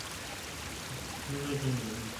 物业权现由市建局与嘉华国际集团共同拥有。